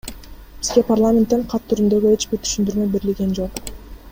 Бизге парламенттен кат түрүндөгү эч бир түшүндүрмө берилген жок.